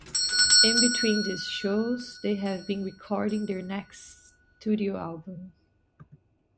In between these shows they have been recording their next studio album.